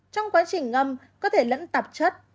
trong quá trình ngâm có thể lẫn tạp chất